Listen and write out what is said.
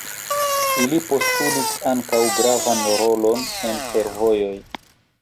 Ili postulis ankaŭ gravan rolon en fervojoj.